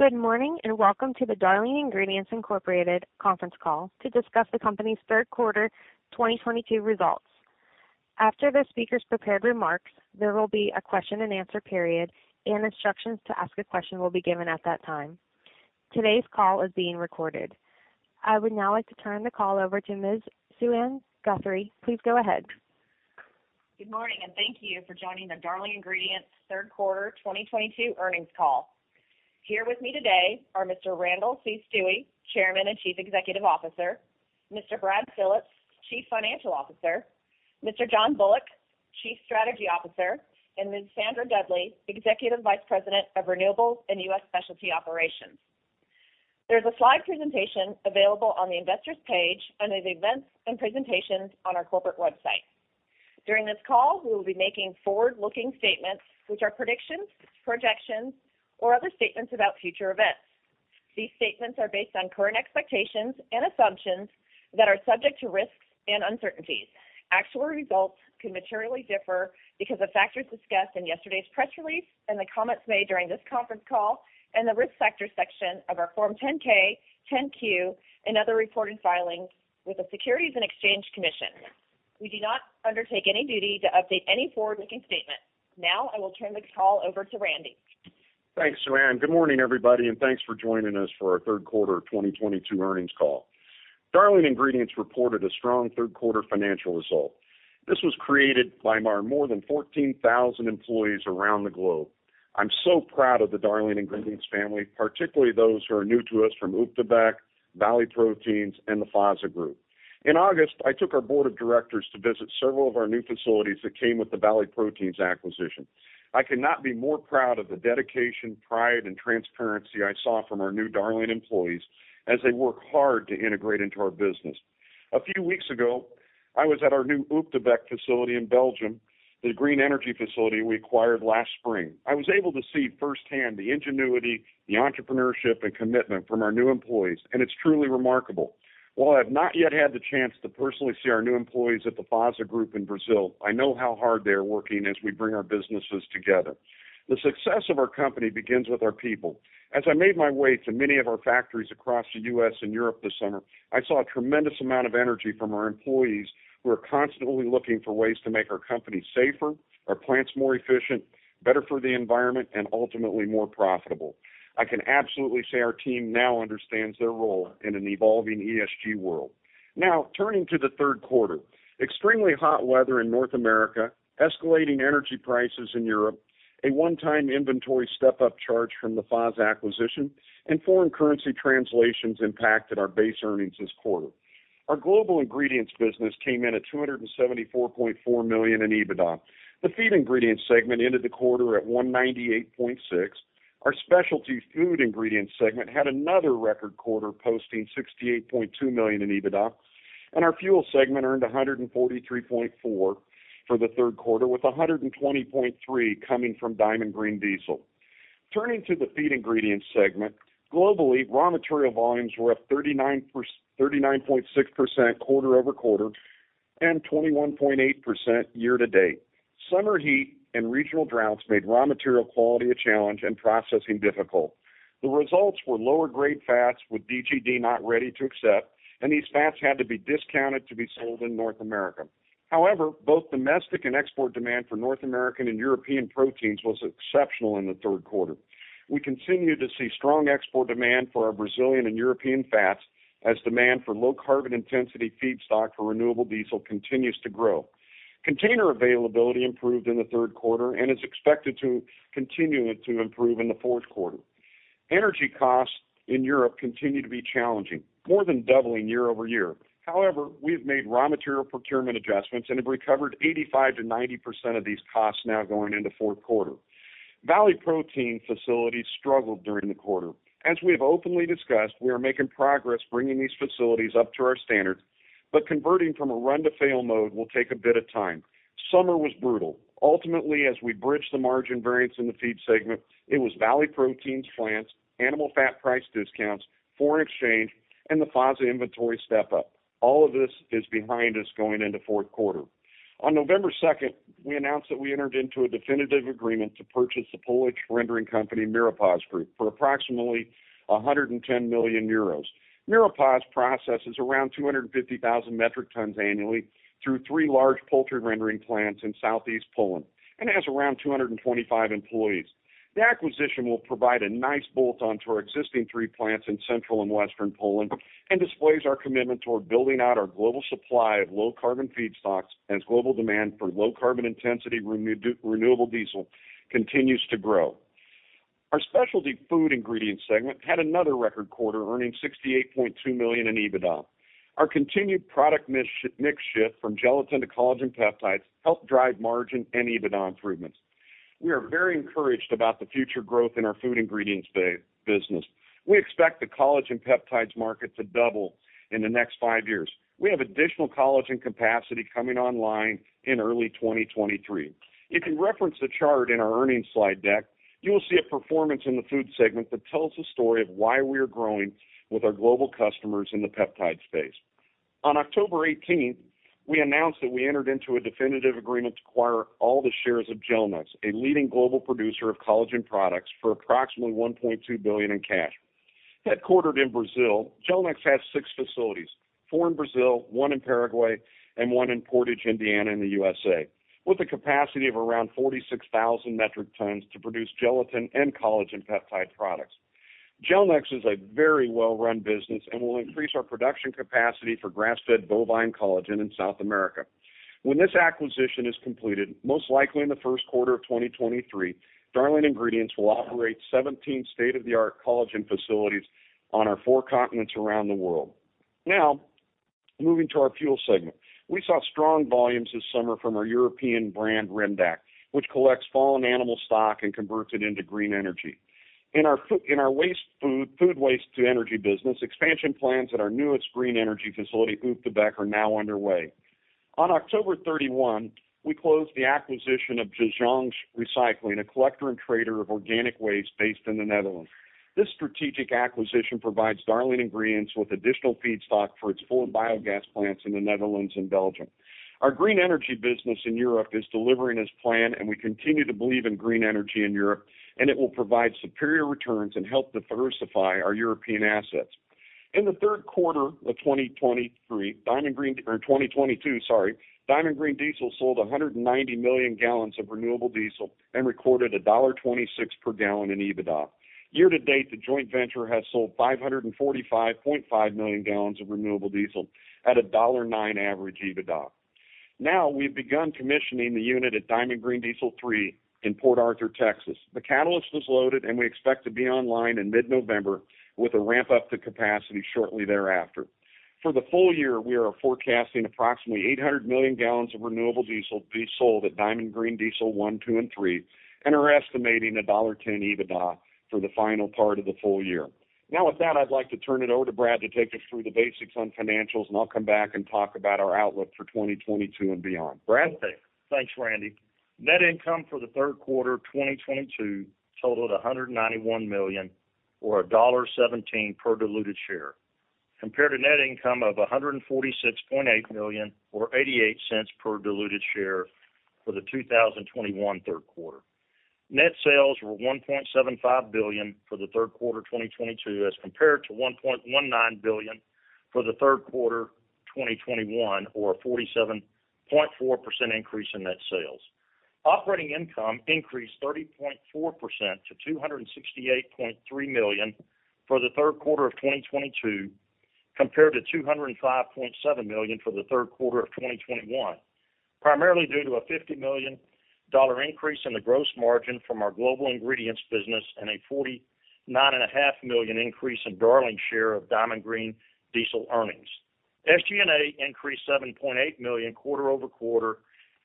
Good morning, and welcome to the Darling Ingredients Inc Conference Call to discuss the company's third quarter 2022 results. After the speaker's prepared remarks, there will be a question-and-answer period, and instructions to ask a question will be given at that time. Today's call is being recorded. I would now like to turn the call over to Ms. Suann Guthrie. Please go ahead. Good morning, and thank you for joining the Darling Ingredients third quarter 2022 earnings call. Here with me today are Mr. Randall C. Stuewe, Chairman and Chief Executive Officer; Mr. Brad Phillips, Chief Financial Officer; Mr. John Bullock, Chief Strategy Officer; and Ms. Sandra Dudley, Executive Vice President of Renewables and U.S. Specialty Operations. There's a slide presentation available on the investor's page under the events and presentations on our corporate website. During this call, we will be making forward-looking statements which are predictions, projections, or other statements about future events. These statements are based on current expectations and assumptions that are subject to risks and uncertainties. Actual results can materially differ because of factors discussed in yesterday's press release and the comments made during this conference call and the risk factor section of our Form 10-K, 10-Q, and other reported filings with the Securities and Exchange Commission. We do not undertake any duty to update any forward-looking statement. Now, I will turn the call over to Randy. Thanks, Suann. Good morning, everybody, and thanks for joining us for our third quarter of 2022 earnings call. Darling Ingredients reported a strong third quarter financial result. This was created by our more than 14,000 employees around the globe. I'm so proud of the Darling Ingredients family, particularly those who are new to us from Ecoson, Valley Proteins, and the FASA Group. In August, I took our board of directors to visit several of our new facilities that came with the Valley Proteins acquisition. I cannot be more proud of the dedication, pride, and transparency I saw from our new Darling employees as they work hard to integrate into our business. A few weeks ago, I was at our new Ecoson facility in Belgium, the green energy facility we acquired last spring. I was able to see firsthand the ingenuity, the entrepreneurship, and commitment from our new employees, and it's truly remarkable. While I have not yet had the chance to personally see our new employees at the FASA Group in Brazil, I know how hard they are working as we bring our businesses together. The success of our company begins with our people. As I made my way to many of our factories across the U.S. and Europe this summer, I saw a tremendous amount of energy from our employees who are constantly looking for ways to make our company safer, our plants more efficient, better for the environment, and ultimately more profitable. I can absolutely say our team now understands their role in an evolving ESG world. Now turning to the third quarter. Extremely hot weather in North America, escalating energy prices in Europe, a one-time inventory step-up charge from the FASA acquisition, and foreign currency translations impacted our base earnings this quarter. Our global ingredients business came in at $274.4 million in EBITDA. The feed ingredients segment ended the quarter at $198.6 million. Our specialty food ingredients segment had another record quarter, posting $68.2 million in EBITDA. Our fuel segment earned $143.4 million for the third quarter, with $120.3 million coming from Diamond Green Diesel. Turning to the feed ingredients segment. Globally, raw material volumes were up 39.6% quarter-over-quarter and 21.8% year-to-date. Summer heat and regional droughts made raw material quality a challenge and processing difficult. The results were lower grade fats with DGD not ready to accept, and these fats had to be discounted to be sold in North America. However, both domestic and export demand for North American and European proteins was exceptional in the third quarter. We continue to see strong export demand for our Brazilian and European fats as demand for low carbon intensity feedstock for renewable diesel continues to grow. Container availability improved in the third quarter and is expected to continue to improve in the fourth quarter. Energy costs in Europe continue to be challenging, more than doubling year-over-year. However, we have made raw material procurement adjustments and have recovered 85%-90% of these costs now going into fourth quarter. Valley Proteins facilities struggled during the quarter. As we have openly discussed, we are making progress bringing these facilities up to our standards, but converting from a run-to-fail mode will take a bit of time. Summer was brutal. Ultimately, as we bridge the margin variance in the feed segment, it was Valley Proteins, France, animal fat price discounts, foreign exchange, and the FASA inventory step up. All of this is behind us going into fourth quarter. On November second, we announced that we entered into a definitive agreement to purchase the Polish rendering company, Miropasz Group, for approximately 110 million euros. Miropasz processes around 250,000 metric tons annually through three large poultry rendering plants in Southeast Poland and has around 225 employees. The acquisition will provide a nice bolt-on to our existing three plants in Central and Western Poland and displays our commitment toward building out our global supply of low carbon feedstocks as global demand for low carbon intensity renewable diesel continues to grow. Our specialty food ingredients segment had another record quarter, earning $68.2 million in EBITDA. Our continued product mix shift from gelatin to collagen peptides helped drive margin and EBITDA improvements. We are very encouraged about the future growth in our food ingredients business. We expect the collagen peptides market to double in the next five years. We have additional collagen capacity coming online in early 2023. If you reference the chart in our earnings slide deck, you will see a performance in the food segment that tells the story of why we are growing with our global customers in the peptide space. On October eighteenth, we announced that we entered into a definitive agreement to acquire all the shares of Gelnex, a leading global producer of collagen products, for approximately $1.2 billion in cash. Headquartered in Brazil, Gelnex has six facilities, four in Brazil, one in Paraguay, and one in Portage, Indiana, in the USA, with a capacity of around 46,000 metric tons to produce gelatin and collagen peptide products. Gelnex is a very well-run business and will increase our production capacity for grass-fed bovine collagen in South America. When this acquisition is completed, most likely in the first quarter of 2023, Darling Ingredients will operate 17 state-of-the-art collagen facilities on our four continents around the world. Now moving to our fuel segment. We saw strong volumes this summer from our European brand, Rendac, which collects fallen animal stock and converts it into green energy. In our food waste to energy business, expansion plans at our newest green energy facility, Ecoson, are now underway. On October 31, we closed the acquisition of Gijzen Recycling, a collector and trader of organic waste based in the Netherlands. This strategic acquisition provides Darling Ingredients with additional feedstock for its four biogas plants in the Netherlands and Belgium. Our green energy business in Europe is delivering as planned, and we continue to believe in green energy in Europe, and it will provide superior returns and help diversify our European assets. In the third quarter of 2022, Diamond Green Diesel sold 190 million gallons of renewable diesel and recorded a $1.26 per gallon in EBITDA. Year to date, the joint venture has sold 545.5 million gallons of renewable diesel at a $9 average EBITDA. Now we've begun commissioning the unit at Diamond Green Diesel Three in Port Arthur, Texas. The catalyst was loaded, and we expect to be online in mid-November with a ramp-up to capacity shortly thereafter. For the full year, we are forecasting approximately 800 million gallons of renewable diesel be sold at Diamond Green Diesel 1, 2, and 3, and are estimating $1.10 EBITDA for the final part of the full year. Now, with that, I'd like to turn it over to Brad to take us through the basics on financials, and I'll come back and talk about our outlook for 2022 and beyond. Brad? Okay. Thanks, Randy. Net income for the third quarter of 2022 totaled $191 million or $1.17 per diluted share, compared to net income of $146.8 million or $0.88 per diluted share for the 2021 third quarter. Net sales were $1.75 billion for the third quarter of 2022 as compared to $1.19 billion for the third quarter of 2021 or a 47.4% increase in net sales. Operating income increased 30.4% to $268.3 million for the third quarter of 2022, compared to $205.7 million for the third quarter of 2021, primarily due to a $50 million increase in the gross margin from our global ingredients business and a $49.5 million increase in Darling share of Diamond Green Diesel earnings. SG&A increased $7.8 million quarter-over-quarter,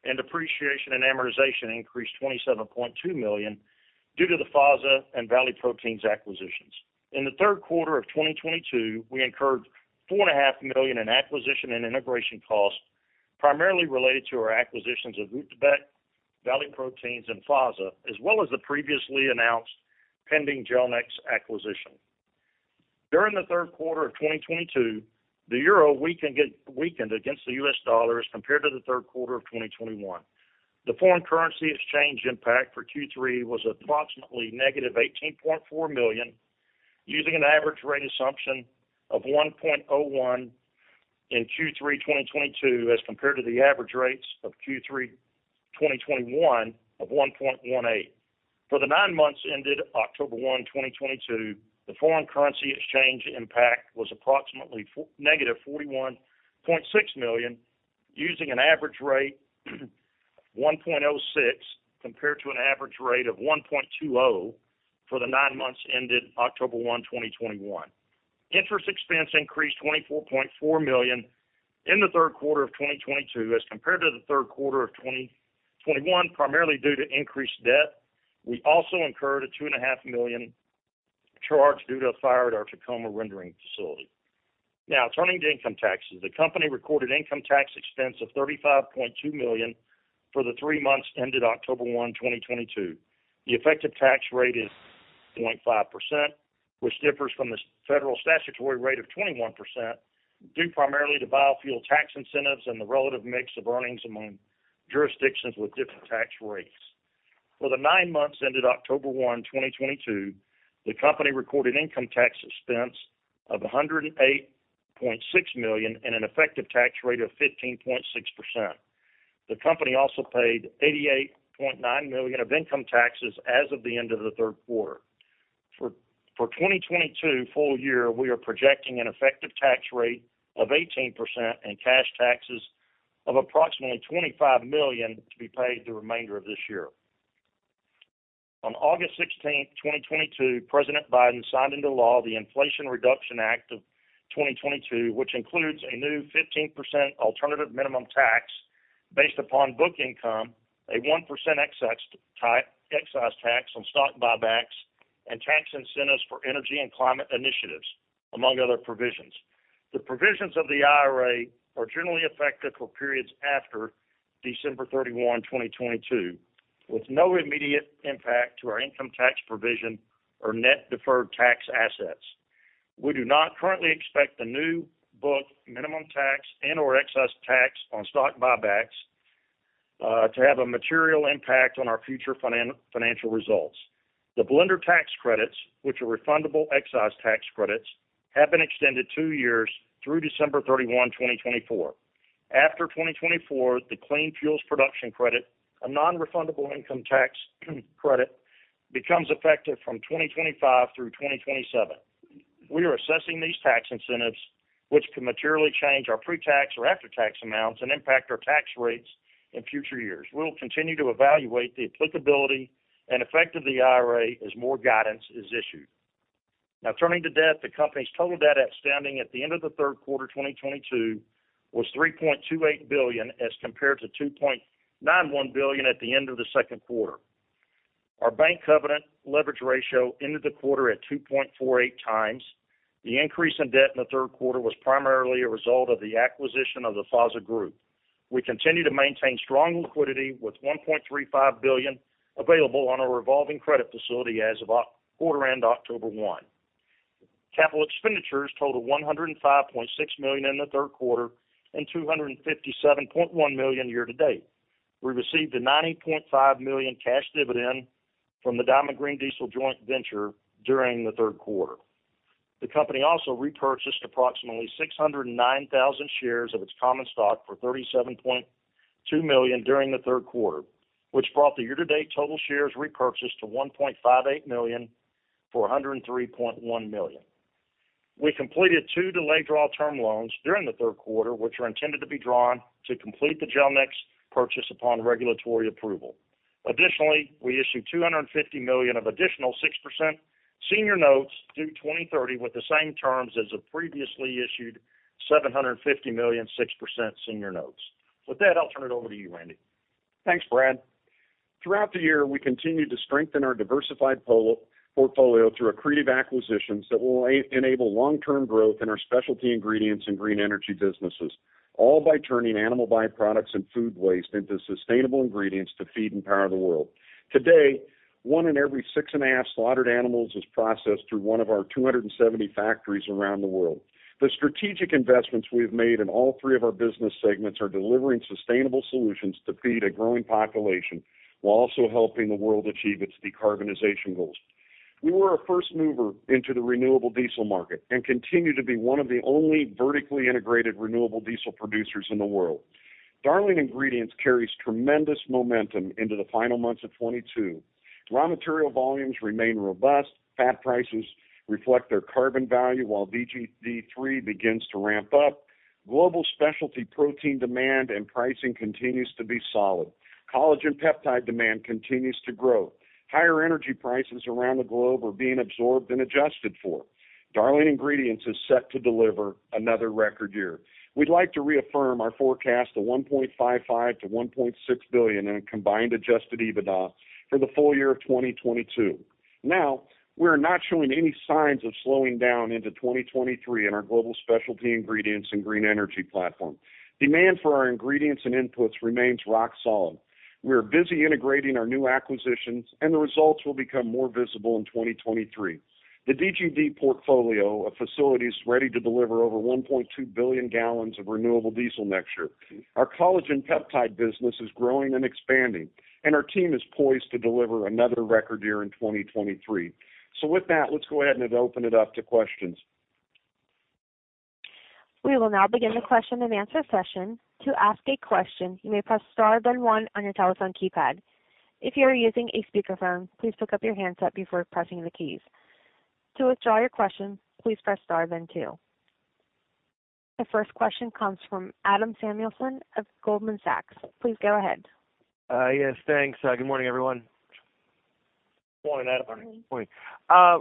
and depreciation and amortization increased $27.2 million due to the FASA and Valley Proteins acquisitions. In the third quarter of 2022, we incurred $4.5 million in acquisition and integration costs, primarily related to our acquisitions of Op de Beeck, Valley Proteins, and FASA, as well as the previously announced pending Gelnex acquisition. During the third quarter of 2022, the euro weakened against the U.S. dollar as compared to the third quarter of 2021. The foreign currency exchange impact for Q3 was approximately negative $18.4 million, using an average rate assumption of 1.01 in Q3 2022 as compared to the average rates of Q3 2021 of 1.18. For the nine months ended October 1, 2022, the foreign currency exchange impact was approximately negative $41.6 million, using an average rate of 1.06 compared to an average rate of 1.20 for the nine months ended October 1, 2021. Interest expense increased $24.4 million in the third quarter of 2022 as compared to the third quarter of 2021, primarily due to increased debt. We also incurred a $2.5 million charge due to a fire at our Tacoma rendering facility. Now turning to income taxes. The company recorded income tax expense of $35.2 million for the three months ended October 1, 2022. The effective tax rate is 0.5%, which differs from the federal statutory rate of 21%, due primarily to biofuel tax incentives and the relative mix of earnings among jurisdictions with different tax rates. For the nine months ended October 1, 2022, the company recorded income tax expense of $108.6 million and an effective tax rate of 15.6%. The company also paid $88.9 million of income taxes as of the end of the third quarter. For 2022 full year, we are projecting an effective tax rate of 18% and cash taxes of approximately $25 million to be paid the remainder of this year. On August 16, 2022, President Biden signed into law the Inflation Reduction Act of 2022, which includes a new 15% alternative minimum tax based upon book income, a 1% excise tax on stock buybacks, and tax incentives for energy and climate initiatives, among other provisions. The provisions of the IRA are generally effective for periods after December 31, 2022. With no immediate impact to our income tax provision or net deferred tax assets. We do not currently expect the new book minimum tax and/or excess tax on stock buybacks to have a material impact on our future financial results. The blender's tax credits, which are refundable excise tax credits, have been extended two years through December 31, 2024. After 2024, the Clean Fuel Production Credit, a non-refundable income tax credit, becomes effective from 2025 through 2027. We are assessing these tax incentives, which can materially change our pre-tax or after-tax amounts and impact our tax rates in future years. We will continue to evaluate the applicability and effect of the IRA as more guidance is issued. Now, turning to debt. The company's total debt outstanding at the end of the third quarter 2022 was $3.28 billion as compared to $2.91 billion at the end of the second quarter. Our bank covenant leverage ratio ended the quarter at 2.48 times. The increase in debt in the third quarter was primarily a result of the acquisition of the FASA Group. We continue to maintain strong liquidity with $1.35 billion available on our revolving credit facility as of quarter end October one. Capital expenditures totaled $105.6 million in the third quarter and $257.1 million year-to-date. We received a $90.5 million cash dividend from the Diamond Green Diesel joint venture during the third quarter. The company also repurchased approximately 609,000 shares of its common stock for $37.2 million during the third quarter, which brought the year-to-date total shares repurchased to 1.58 million for $103.1 million. We completed two delayed draw term loans during the third quarter, which are intended to be drawn to complete the Gelnex purchase upon regulatory approval. Additionally, we issued $250 million of additional 6% senior notes due 2030 with the same terms as the previously issued $750 million 6% senior notes. With that, I'll turn it over to you, Randy. Thanks, Brad. Throughout the year, we continued to strengthen our diversified portfolio through accretive acquisitions that will enable long-term growth in our specialty ingredients and green energy businesses, all by turning animal byproducts and food waste into sustainable ingredients to feed and power the world. Today, one in every six and a half slaughtered animals is processed through one of our 270 factories around the world. The strategic investments we have made in all three of our business segments are delivering sustainable solutions to feed a growing population while also helping the world achieve its decarbonization goals. We were a first mover into the renewable diesel market and continue to be one of the only vertically integrated renewable diesel producers in the world. Darling Ingredients carries tremendous momentum into the final months of 2022. Raw material volumes remain robust. Fat prices reflect their carbon value while DGD 3 begins to ramp up. Global specialty protein demand and pricing continues to be solid. Collagen peptide demand continues to grow. Higher energy prices around the globe are being absorbed and adjusted for. Darling Ingredients is set to deliver another record year. We'd like to reaffirm our forecast of $1.55-$1.6 billion in a combined adjusted EBITDA for the full year of 2022. Now, we are not showing any signs of slowing down into 2023 in our global specialty ingredients and green energy platform. Demand for our ingredients and inputs remains rock solid. We are busy integrating our new acquisitions and the results will become more visible in 2023. The DGD portfolio of facilities ready to deliver over 1.2 billion gallons of renewable diesel next year. Our collagen peptide business is growing and expanding, and our team is poised to deliver another record year in 2023. With that, let's go ahead and open it up to questions. We will now begin the question and answer session. To ask a question, you may press star then one on your telephone keypad. If you are using a speakerphone, please pick up your handset before pressing the keys. To withdraw your question, please press star then two. The first question comes from Adam Samuelson of Goldman Sachs. Please go ahead. Yes, thanks. Good morning, everyone. Morning, Adam. Morning. Morning.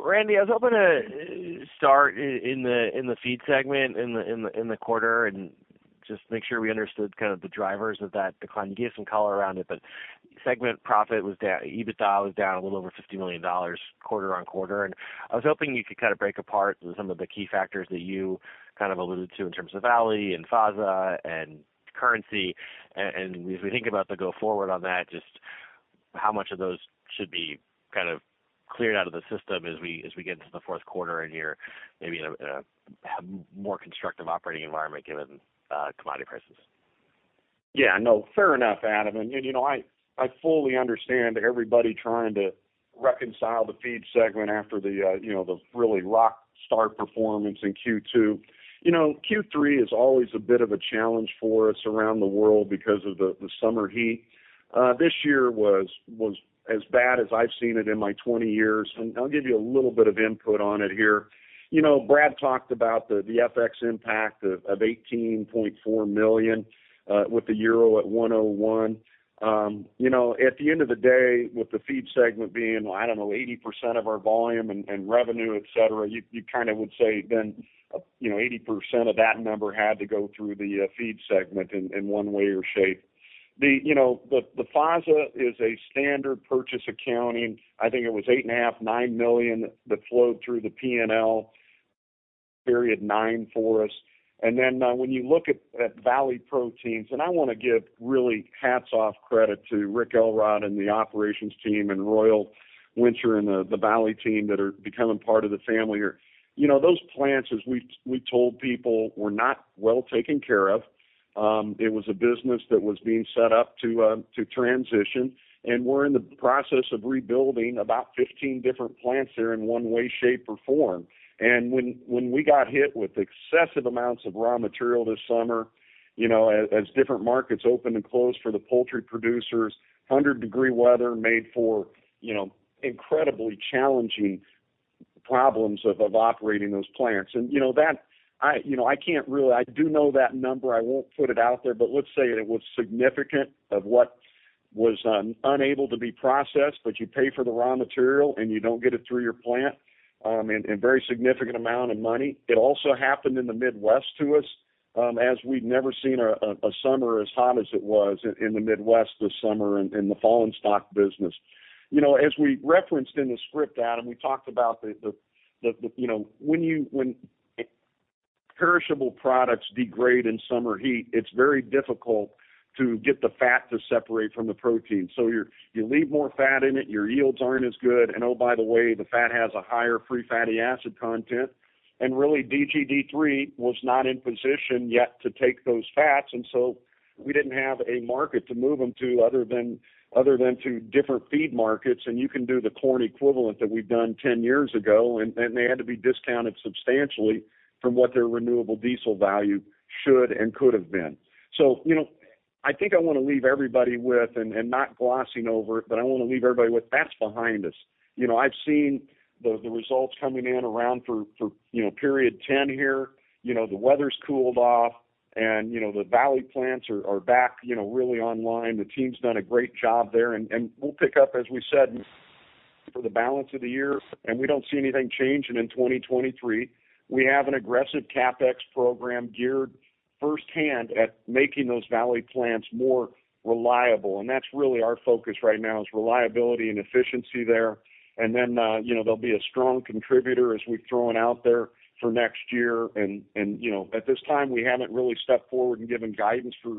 Randy, I was hoping to start in the feed segment in the quarter and just make sure we understood kind of the drivers of that decline. Can you give some color around it? Segment profit was down, EBITDA was down a little over $50 million quarter-over-quarter. I was hoping you could kind of break apart some of the key factors that you kind of alluded to in terms of Ali and FASA and currency. As we think about the go forward on that, just how much of those should be kind of cleared out of the system as we get into the fourth quarter and hear maybe a more constructive operating environment given commodity prices. Yeah, no, fair enough, Adam. You know, I fully understand everybody trying to reconcile the feed segment after the, you know, the really rockstar performance in Q2. You know, Q3 is always a bit of a challenge for us around the world because of the summer heat. This year was as bad as I've seen it in my 20 years. I'll give you a little bit of input on it here. You know, Brad talked about the FX impact of $18.4 million, with the euro at 1.01. You know, at the end of the day, with the feed segment being, I don't know, 80% of our volume and revenue, et cetera, you kind of would say then, you know, 80% of that number had to go through the feed segment in one way or shape. The FASA is a standard purchase accounting. I think it was $8.5-$9 million that flowed through the P&L. Period nine for us. Then, when you look at Valley Proteins, I want to give really hats off credit to Rick Elrod and the operations team and Royal Winter and the Valley team that are becoming part of the family here. You know, those plants, as we told people, were not well taken care of. It was a business that was being set up to transition. We're in the process of rebuilding about 15 different plants there in one way, shape, or form. When we got hit with excessive amounts of raw material this summer, you know, as different markets opened and closed for the poultry producers, 100-degree weather made for, you know, incredibly challenging problems of operating those plants. You know that I, you know, I can't really. I do know that number. I won't put it out there, but let's say it was significant of what was unable to be processed, but you pay for the raw material, and you don't get it through your plant, and very significant amount of money. It also happened in the Midwest to us, as we'd never seen a summer as hot as it was in the Midwest this summer in the fallen stock business. You know, as we referenced in the script, Adam, we talked about when perishable products degrade in summer heat, it's very difficult to get the fat to separate from the protein. So you leave more fat in it, your yields aren't as good. And oh, by the way, the fat has a higher free fatty acid content. And really, DGD three was not in position yet to take those fats, and so we didn't have a market to move them to other than to different feed markets. You can do the corn equivalent that we've done 10 years ago, and they had to be discounted substantially from what their renewable diesel value should and could have been. You know, I think I want to leave everybody with, and not glossing over it, but I want to leave everybody with that's behind us. You know, I've seen the results coming in now for period 10 here. You know, the weather's cooled off and, you know, the Valley plants are back, you know, really online. The team's done a great job there, and we'll pick up, as we said, for the balance of the year, and we don't see anything changing in 2023. We have an aggressive CapEx program geared firsthand at making those Valley plants more reliable. That's really our focus right now is reliability and efficiency there. You know, there'll be a strong contributor as we've thrown out there for next year. You know, at this time, we haven't really stepped forward and given guidance for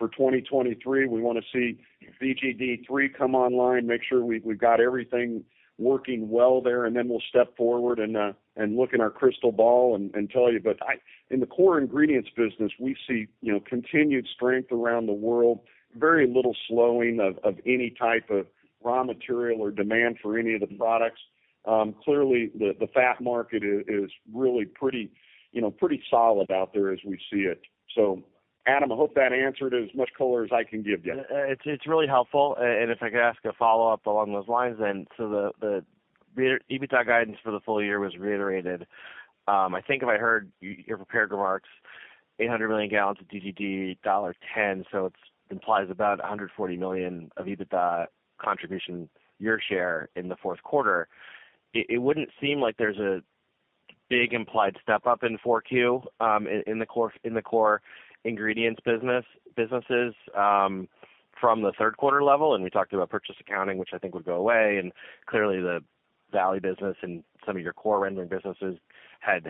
2023. We want to see DGD 3 come online, make sure we've got everything working well there, and then we'll step forward and look in our crystal ball and tell you. In the core ingredients business, we see, you know, continued strength around the world, very little slowing of any type of raw material or demand for any of the products. Clearly the fat market is really pretty, you know, pretty solid out there as we see it. Adam, I hope that answered as much color as I can give you. It's really helpful. If I could ask a follow-up along those lines then. The EBITDA guidance for the full year was reiterated. I think if I heard your prepared remarks, 800 million gallons of DGD, $10. It implies about 140 million of EBITDA contribution, your share in the fourth quarter. It wouldn't seem like there's a big implied step up in 4Q in the core ingredients business from the third quarter level. We talked about purchase accounting, which I think would go away. Clearly the Valley business and some of your core rendering businesses had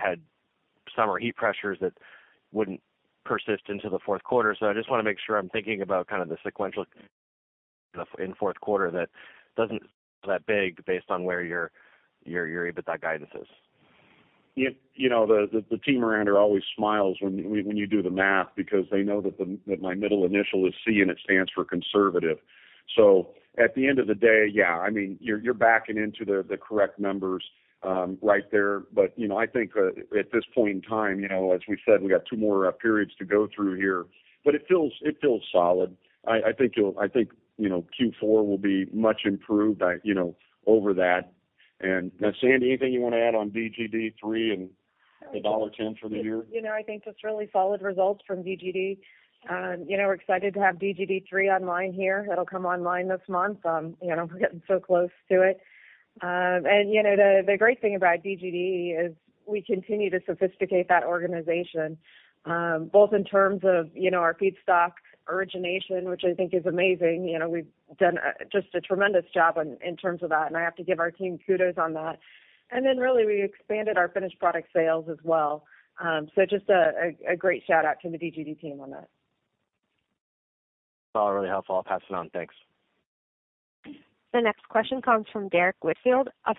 summer heat pressures that wouldn't persist into the fourth quarter. I just want to make sure I'm thinking about kind of the sequential in fourth quarter that isn't that big based on where your EBITDA guidance is. You know, the team around here always smiles when you do the math because they know that my middle initial is C and it stands for conservative. So at the end of the day, yeah, I mean, you're backing into the correct numbers right there. You know, I think at this point in time, you know, as we said, we got two more periods to go through here, but it feels solid. I think, you know, Q4 will be much improved, you know, over that. Sandy, anything you want to add on DGD 3 and the $1.10 for the year? You know, I think just really solid results from DGD. You know, we're excited to have DGD 3 online here. That'll come online this month. You know, we're getting so close to it. You know, the great thing about DGD is we continue to sophisticate that organization, both in terms of, you know, our feedstock origination, which I think is amazing. You know, we've done just a tremendous job in terms of that, and I have to give our team kudos on that. Really we expanded our finished product sales as well. Just a great shout out to the DGD team on that. All really helpful. I'll pass it on. Thanks. The next question comes from Derrick Whitfield of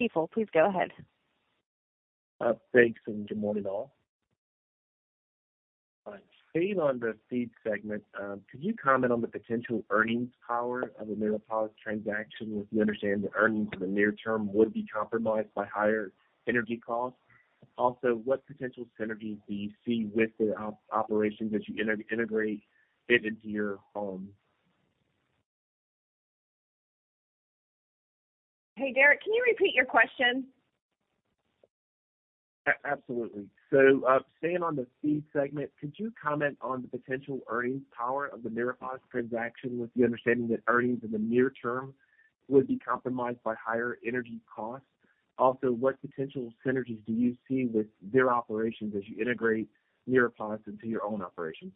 Stifel. Please go ahead. Thanks, and good morning, all. Staying on the feed segment, could you comment on the potential earnings power of the Miropasz transaction with the understanding that earnings in the near term would be compromised by higher energy costs? Also, what potential synergies do you see with the operations as you integrate it into your own? Hey, Derrick, can you repeat your question? Absolutely. Staying on the feed segment, could you comment on the potential earnings power of the Miropasz transaction with the understanding that earnings in the near term would be compromised by higher energy costs? Also, what potential synergies do you see with their operations as you integrate Miropasz into your own operations?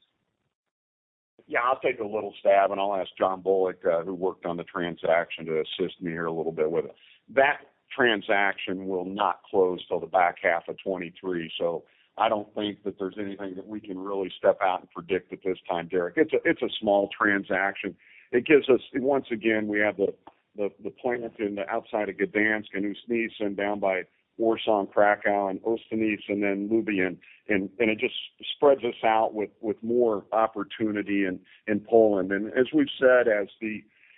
Yeah, I'll take a little stab, and I'll ask John Bullock who worked on the transaction to assist me here a little bit with it. That transaction will not close till the back half of 2023, so I don't think that there's anything that we can really step out and predict at this time, Derrick. It's a small transaction. It gives us. Once again, we have the plant in and outside of Gdańsk, in Ustka, and down by Warsaw and Kraków and Ostrówiec and then Lublin, and it just spreads us out with more opportunity in Poland. As we've said,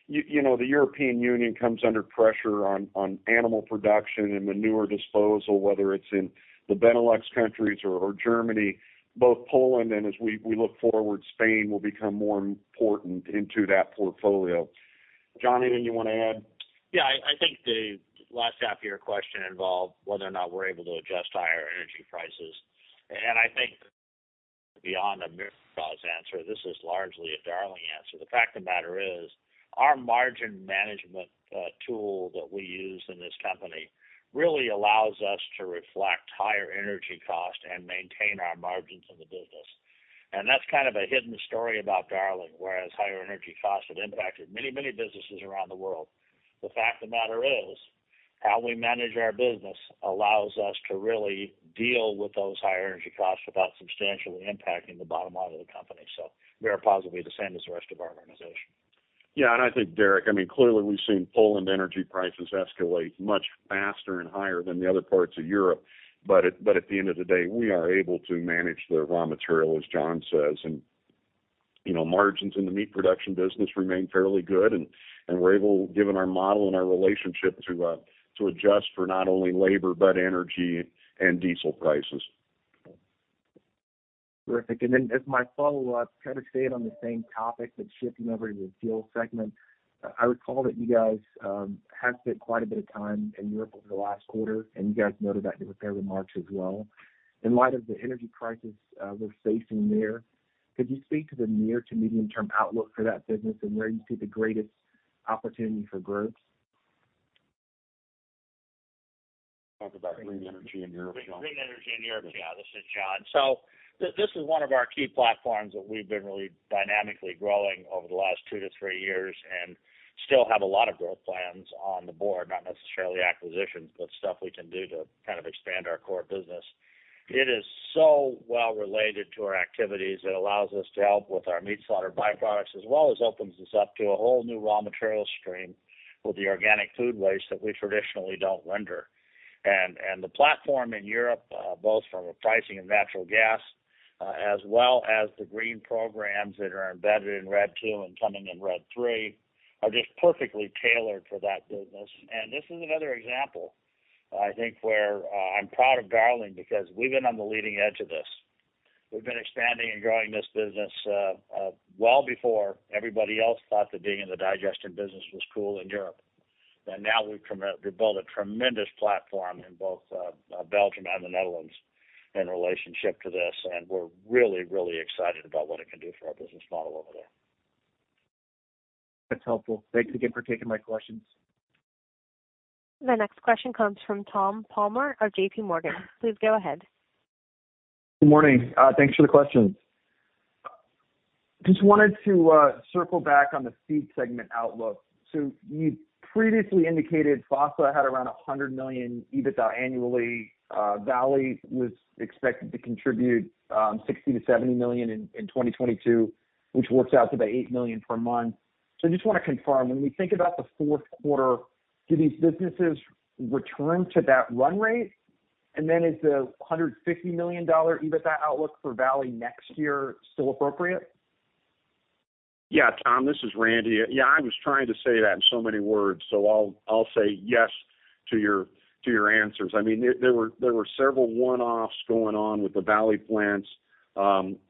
you know, the European Union comes under pressure on animal production and manure disposal, whether it's in the Benelux countries or Germany, both Poland and as we look forward, Spain will become more important into that portfolio. John, anything you wanna add? Yeah. I think the last half of your question involved whether or not we're able to adjust to higher energy prices. I think beyond Randall's answer, this is largely a Darling answer. The fact of the matter is our margin management tool that we use in this company really allows us to reflect higher energy costs and maintain our margins in the business. That's kind of a hidden story about Darling, whereas higher energy costs have impacted many, many businesses around the world. The fact of the matter is how we manage our business allows us to really deal with those higher energy costs without substantially impacting the bottom line of the company. We are positively the same as the rest of our organization. I think, Derrick, I mean, clearly we've seen Polish energy prices escalate much faster and higher than the other parts of Europe. At the end of the day, we are able to manage the raw material, as John says. You know, margins in the meat production business remain fairly good, and we're able, given our model and our relationship to adjust for not only labor, but energy and diesel prices. Terrific. Then as my follow-up, kind of staying on the same topic but shifting over to the fuel segment. I recall that you guys had spent quite a bit of time in Europe over the last quarter, and you guys noted that in your prepared remarks as well. In light of the energy crisis we're facing there, could you speak to the near to medium term outlook for that business and where you see the greatest opportunity for growth? Talk about green energy in Europe, John. Green energy in Europe. Yeah, this is John. This is one of our key platforms that we've been really dynamically growing over the last two to three years and still have a lot of growth plans on the board, not necessarily acquisitions, but stuff we can do to kind of expand our core business. It is so well related to our activities. It allows us to help with our meat slaughter byproducts as well as opens us up to a whole new raw material stream with the organic food waste that we traditionally don't render. The platform in Europe, both from a pricing and natural gas, as well as the green programs that are embedded in RED II and coming in RED III are just perfectly tailored for that business. This is another example, I think, where I'm proud of Darling because we've been on the leading edge of this. We've been expanding and growing this business, well before everybody else thought that being in the digestion business was cool in Europe. Now we've built a tremendous platform in both Belgium and the Netherlands in relationship to this, and we're really, really excited about what it can do for our business model over there. That's helpful. Thanks again for taking my questions. The next question comes from Thomas Palmer of JPMorgan. Please go ahead. Good morning. Thanks for the questions. Just wanted to circle back on the feed segment outlook. You previously indicated FASA had around $100 million EBITDA annually. Valley was expected to contribute $60-$70 million in 2022, which works out to be $8 million per month. I just wanna confirm, when we think about the fourth quarter, do these businesses return to that run rate? Is the $150 million EBITDA outlook for Valley next year still appropriate? Yeah, Tom, this is Randy. Yeah, I was trying to say that in so many words, so I'll say yes to your answers. I mean, there were several one-offs going on with the Valley plants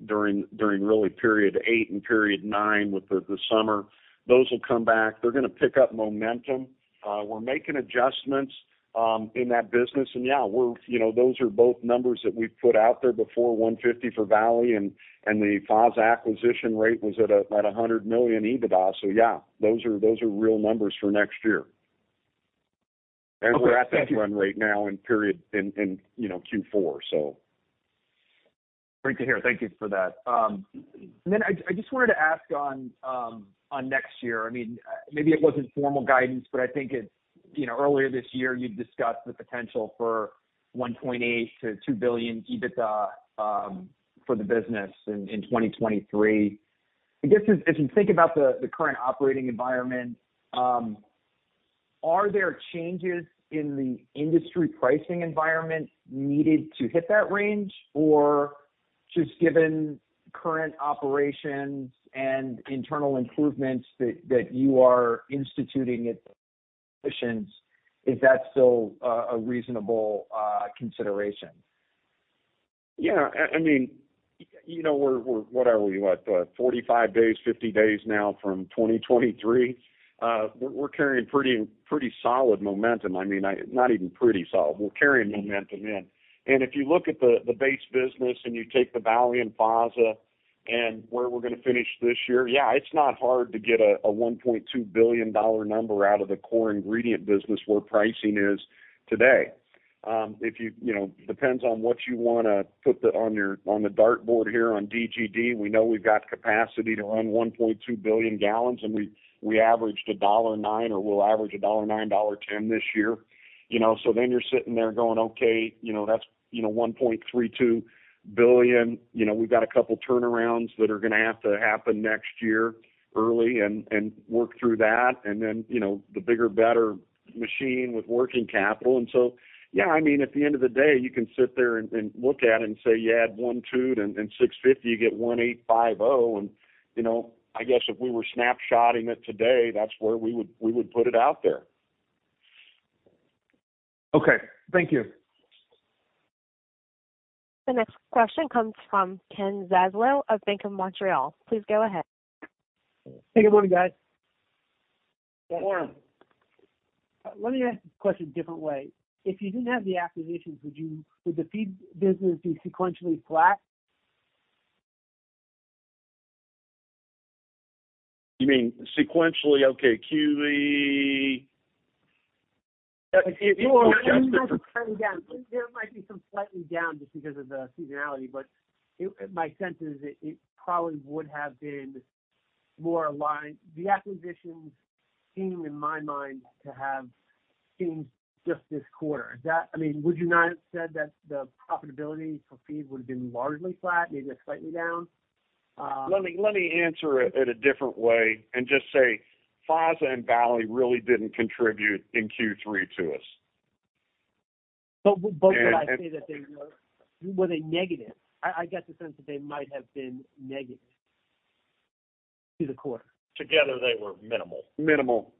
during really period eight and period nine with the summer. Those will come back. They're gonna pick up momentum. We're making adjustments in that business. Yeah, we're, you know, those are both numbers that we've put out there before, $150 million for Valley and the FASA acquisition rate was at a $100 million EBITDA. Yeah, those are real numbers for next year. Okay. Thank you. We're at that run rate now in Q4, you know, so. Great to hear. Thank you for that. Then I just wanted to ask on next year. I mean, maybe it wasn't formal guidance, but I think it's, you know, earlier this year you'd discussed the potential for $1.8 billion-$2 billion EBITDA for the business in 2023. I guess if you think about the current operating environment, are there changes in the industry pricing environment needed to hit that range? Or just given current operations and internal improvements that you are instituting at the divisions, is that still a reasonable consideration? Yeah. I mean, you know, what are we? 45 days, 50 days now from 2023? We're carrying pretty solid momentum. I mean, not even pretty solid. We're carrying momentum in. If you look at the base business, and you take the Valley and FASA and where we're gonna finish this year, yeah, it's not hard to get a $1.2 billion number out of the core ingredient business where pricing is today. If you know, depends on what you wanna put on your dartboard here on DGD. We know we've got capacity to run 1.2 billion gallons, and we averaged $1.09 or we'll average $1.09, $1.10 this year. You know, you're sitting there going, okay, you know, that's $1.32 billion. You know, we've got a couple turnarounds that are gonna have to happen next year early and work through that. You know, the bigger, better machine with working capital. Yeah, I mean, at the end of the day, you can sit there and look at it and say you add $1.2 billion and $650 million, you get $1.85 billion. You know, I guess if we were snapshotting it today, that's where we would put it out there. Okay. Thank you. The next question comes from Ken Zaslow of BMO Capital Markets. Please go ahead. Hey, good morning, guys. Good morning. Let me ask the question a different way. If you didn't have the acquisitions, would the feed business be sequentially flat? You mean sequentially? Okay, Q3. There might be some slightly down just because of the seasonality, but my sense is it probably would have been more aligned. The acquisitions seem, in my mind, to have seemed just this quarter. Is that? I mean, would you not have said that the profitability for feed would have been largely flat, maybe slightly down? Let me answer it in a different way and just say FASA and Valley really didn't contribute in Q3 to us. Would I say that they were negative? Were they negative? I get the sense that they might have been negative to the quarter. Together, they were minimal.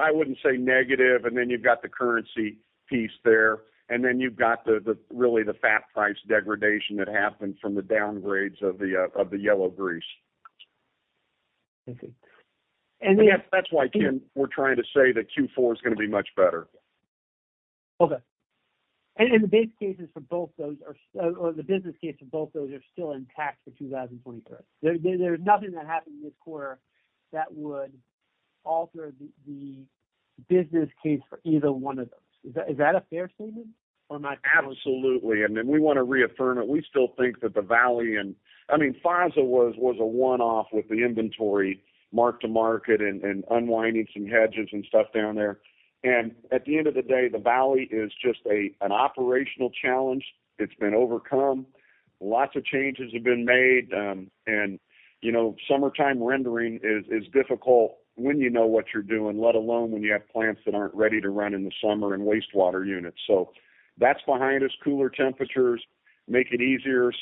I wouldn't say negative. You've got the currency piece there, and then you've got the really fat price degradation that happened from the downgrades of the yellow grease. Okay. That's why, Ken, we're trying to say that Q4 is gonna be much better. Okay. The base cases for both those are, or the business case for both those are still intact for 2023. There's nothing that happened this quarter that would alter the business case for either one of those. Is that a fair statement or not? Absolutely. We wanna reaffirm it. We still think that the Valley, I mean, FASA was a one-off with the inventory mark-to-market and unwinding some hedges and stuff down there. At the end of the day, the Valley is just an operational challenge. It's been overcome. Lots of changes have been made. You know, summertime rendering is difficult when you know what you're doing, let alone when you have plants that aren't ready to run in the summer and wastewater units. That's behind us. Cooler temperatures make it easier.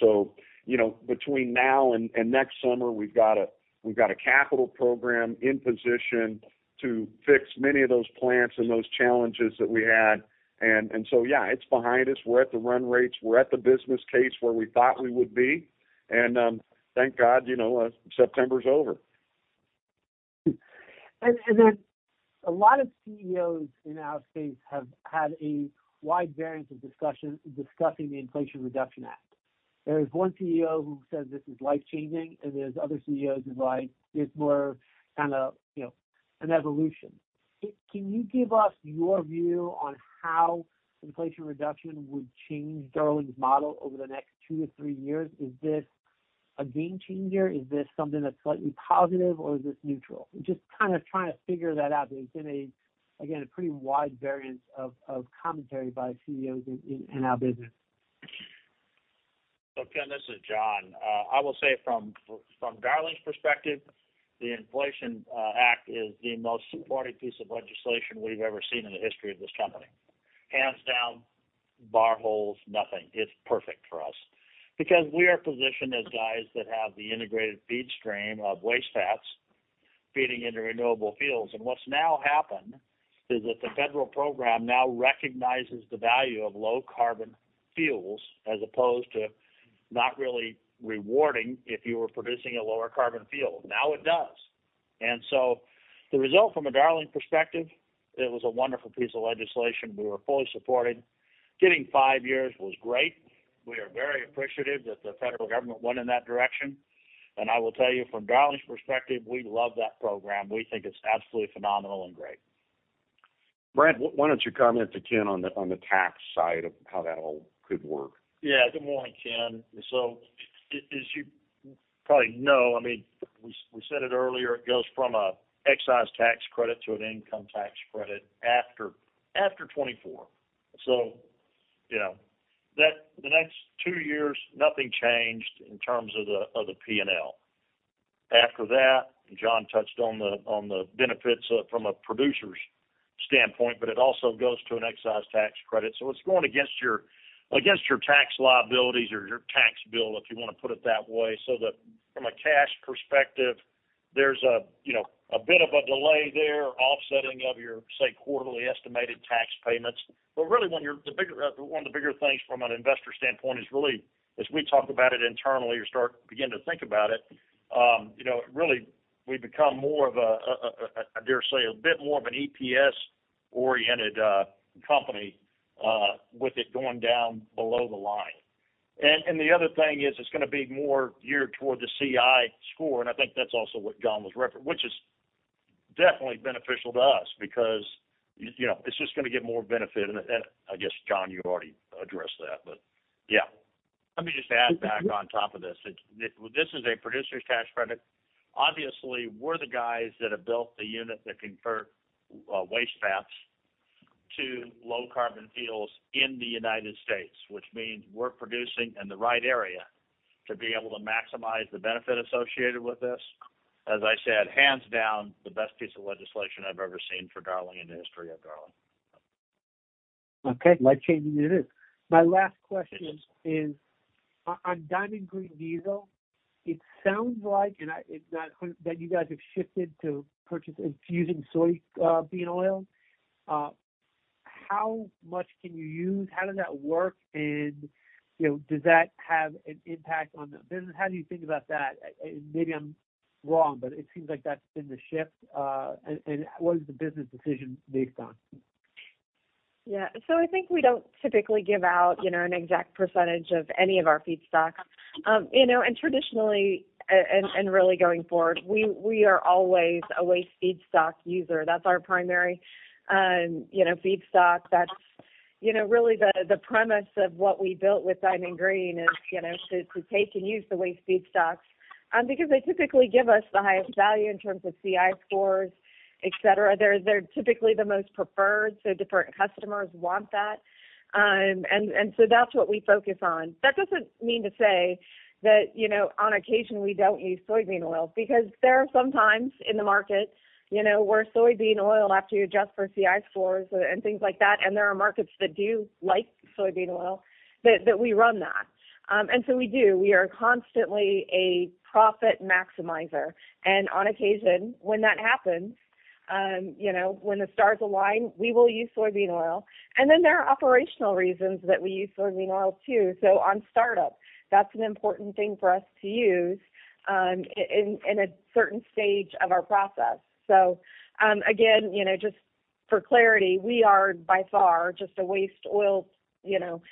You know, between now and next summer, we've got a capital program in position to fix many of those plants and those challenges that we had. So, yeah, it's behind us. We're at the run rates. We're at the business case where we thought we would be. Thank God, you know, September's over. A lot of CEOs in our space have had a wide variance of discussion discussing the Inflation Reduction Act. There is one CEO who says this is life changing, and there's other CEOs who like it's more kind of, you know, an evolution. Can you give us your view on how the Inflation Reduction Act would change Darling's model over the next two to three years? Is this a game changer? Is this something that's slightly positive, or is this neutral? Just kind of trying to figure that out. There's been a, again, a pretty wide variance of commentary by CEOs in our business. Ken, this is John. I will say from Darling's perspective, the Inflation Act is the most supportive piece of legislation we've ever seen in the history of this company. Hands down, bar none, nothing. It's perfect for us because we are positioned as guys that have the integrated feed stream of waste fats feeding into renewable fuels. What's now happened is that the federal program now recognizes the value of low carbon fuels as opposed to not really rewarding if you were producing a lower carbon fuel. Now it does. The result from a Darling perspective, it was a wonderful piece of legislation. We were fully supported. Getting five years was great. We are very appreciative that the federal government went in that direction. I will tell you from Darling's perspective, we love that program. We think it's absolutely phenomenal and great. Brad, why don't you comment to Ken on the tax side of how that all could work? Yeah. Good morning, Ken. As you probably know, I mean, we said it earlier, it goes from an excise tax credit to an income tax credit after 2024. You know that the next two years, nothing changed in terms of the P&L. After that, John touched on the benefits from a producer's standpoint, but it also goes to an excise tax credit. It's going against your tax liabilities or your tax bill, if you want to put it that way. That from a cash perspective, there's, you know, a bit of a delay there offsetting of your, say, quarterly estimated tax payments. Really, one of the bigger things from an investor standpoint is really as we talk about it internally or begin to think about it, you know, really we become more of a, I dare say, a bit more of an EPS oriented company with it going down below the line. The other thing is it's gonna be more geared toward the CI score, and I think that's also what John was referring to which is. Definitely beneficial to us because, you know, it's just gonna get more benefit. I guess, John, you already addressed that. Yeah.Let me just add back on top of this. This is a producer's tax credit. Obviously, we're the guys that have built the unit that convert waste fats to low carbon fuels in the United States, which means we're producing in the right area to be able to maximize the benefit associated with this. As I said, hands down the best piece of legislation I've ever seen for Darling in the history of Darling. Okay. Life-changing it is. My last question is on Diamond Green Diesel. It sounds like that you guys have shifted to using soybean oil. How much can you use? How does that work? And, you know, does that have an impact on the business? How do you think about that? Maybe I'm wrong, but it seems like that's been the shift. And what is the business decision based on? Yeah. I think we don't typically give out, you know, an exact percentage of any of our feedstocks. You know, and traditionally and really going forward, we are always a waste feedstock user. That's our primary feedstock. That's really the premise of what we built with Diamond Green is to take and use the waste feedstocks, because they typically give us the highest value in terms of CI scores, et cetera. They're typically the most preferred, so different customers want that. That's what we focus on. That doesn't mean to say that, you know, on occasion we don't use soybean oil because there are some times in the market, you know, where soybean oil, after you adjust for CI scores and things like that, and there are markets that do like soybean oil, that we run that. We do. We are constantly a profit maximizer. On occasion when that happens, you know, when the stars align, we will use soybean oil. Then there are operational reasons that we use soybean oil too. On startup, that's an important thing for us to use, in a certain stage of our process. Again, you know, just for clarity, we are by far just a waste oil, you know,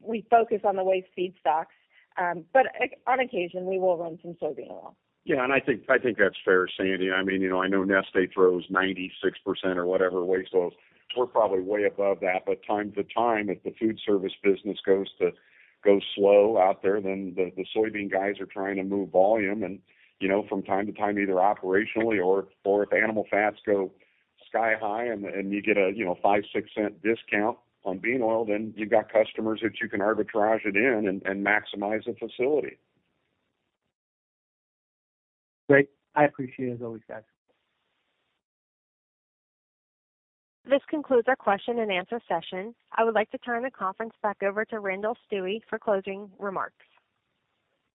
we focus on the waste feedstocks. On occasion we will run some soybean oil. Yeah. I think that's fair, Sandy. I mean, you know, I know Neste throws 96% or whatever waste oils. We're probably way above that. From time to time, if the food service business goes slow out there, then the soybean guys are trying to move volume and, you know, from time to time, either operationally or if animal fats go sky high and you get a, you know, $0.05-$0.06 discount on bean oil, then you've got customers that you can arbitrage it in and maximize the facility. Great. I appreciate it as always, guys. This concludes our question and answer session. I would like to turn the conference back over to Randall C. Stuewe for closing remarks.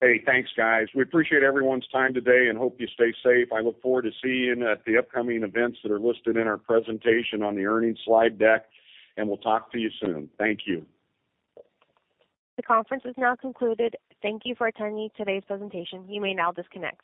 Hey, thanks, guys. We appreciate everyone's time today and hope you stay safe. I look forward to seeing you at the upcoming events that are listed in our presentation on the earnings slide deck, and we'll talk to you soon. Thank you. The conference is now concluded. Thank you for attending today's presentation. You may now disconnect.